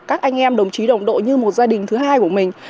các anh em đồng chí đồng đội như một gia đình thứ hai của mình